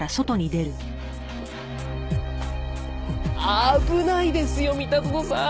危ないですよ三田園さん。